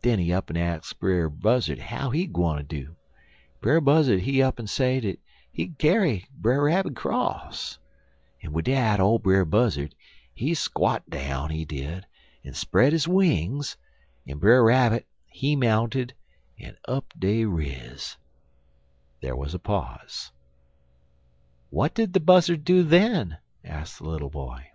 Den he up'n ax Brer Buzzard how he gwine do, en Brer Buzzard he up'n say dat he kyar Brer Rabbit 'cross, en wid dat ole Brer Buzzard, he squot down, he did, en spread his wings, en Brer Rabbit, he mounted, en up dey riz." There was a pause. "What did the Buzzard do then?" asked the little boy.